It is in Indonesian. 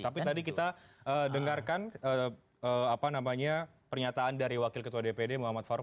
tapi tadi kita dengarkan pernyataan dari wakil ketua dpd muhammad farou